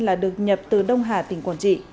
và được nhập từ đông hà tỉnh quảng trị